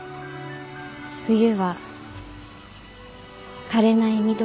冬は枯れない緑を。